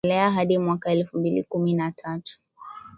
na kuendelea hadi mwaka elfu mbili kumi na tatu